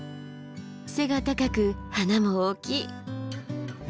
背が高く花も大きい。